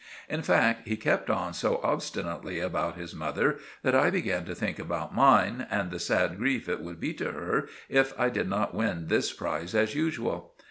In fact, he kept on so obstinately about his mother, that I began to think about mine, and the sad grief it would be to her if I did not win this prize as usual.